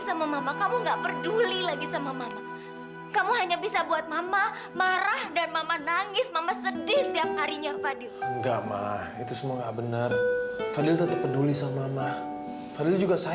sebegitu hasil tesnya keluar